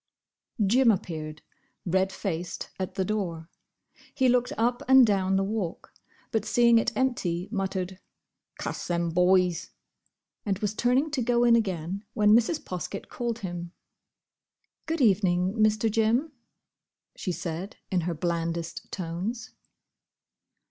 Jim appeared, red faced, at the door. He looked up and down the Walk, but seeing it empty, muttered, "Cuss them boys!" and was turning to go in again, when Mrs. Poskett called him. "Good evening, Mr. Jim," she said, in her blandest tones.